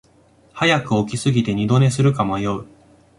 早く起きすぎて二度寝するか迷う